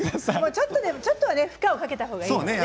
ちょっとでも負荷をかけたほうがいいですよね。